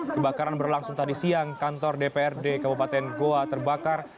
kebakaran berlangsung tadi siang kantor dprd kabupaten goa terbakar